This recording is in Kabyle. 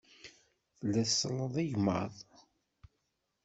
Tella tselleḍ igmaḍ.